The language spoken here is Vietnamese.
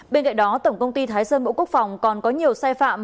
bên cạnh đó tổng công ty thái sơn bộ quốc phòng còn có nhiều sai phạm